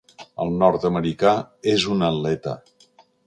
El nord-americà és un atleta.